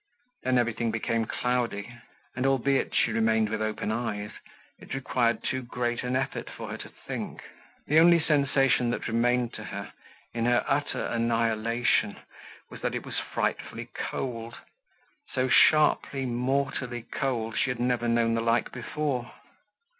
Then everything became cloudy; and, albeit, she remained with open eyes, it required too great an effort for her to think. The only sensation that remained to her, in her utter annihilation, was that it was frightfully cold, so sharply, mortally cold, she had never known the like before.